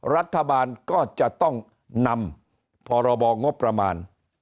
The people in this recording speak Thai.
รัฐบาลก็จะต้องนำพรบงบประมาณ